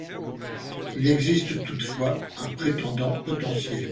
Il existe toutefois un prétendant potentiel.